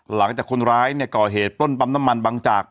หลังจากคนร้ายเนี่ยก่อเหตุปล้นปั๊มน้ำมันบางจาก